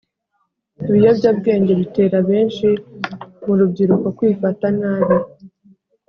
ibiyobyabwenge bitera benshi mu rubyiruko kwifata nabi